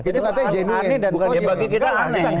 itu katanya genuine